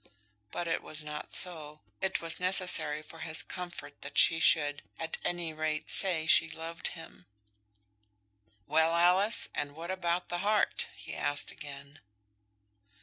But it was not so. It was necessary for his comfort that she should, at any rate, say she loved him. "Well, Alice, and what about the heart?" he asked again.